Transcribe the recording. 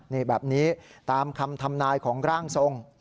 นี่แบบนี้ตามคำทำนายของร่างทรง